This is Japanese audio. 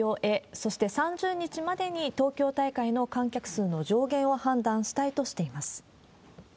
そして３０日までに、東京大会の観客数の上限を判断したいとしています。